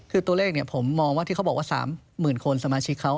คือตัวเลขผมมองว่าที่เขาบอกว่า๓๐๐๐คนสมาชิกเขา